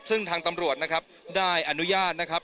ซึ่งทางตำรวจนะครับได้อนุญาตนะครับ